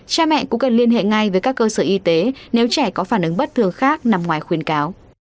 cha mẹ cũng cần liên hệ ngay với các cơ sở y tế nếu trẻ có phản ứng bất thường khác nằm ngoài khuyến cáo